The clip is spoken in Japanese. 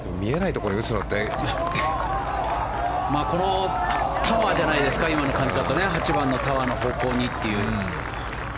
このタワーじゃないですか今の感じだと８番のタワーの方向にっていう。